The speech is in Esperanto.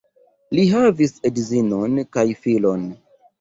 La havis edzinon kaj filon.